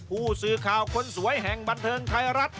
ผู้สื่อข่าวคนสวยแห่งบันเทิงไทยรัฐ